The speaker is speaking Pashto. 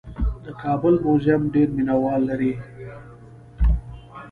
د کابل موزیم ډېر مینه وال لري.